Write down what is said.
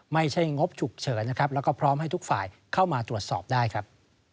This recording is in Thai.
งงบฉุกเฉินนะครับแล้วก็พร้อมให้ทุกฝ่ายเข้ามาตรวจสอบได้ครับ